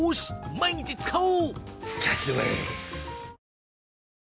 毎日使おう！